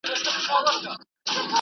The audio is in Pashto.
دا د ټول امت د حالت نښه وه.